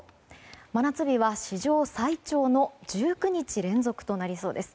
真夏日は史上最長の１９日連続となりそうです。